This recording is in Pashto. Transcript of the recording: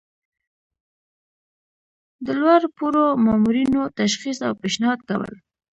د لوړ پوړو مامورینو تشخیص او پیشنهاد کول.